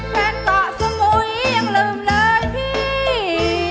แฟนเกาะสมุยยังลืมเลยพี่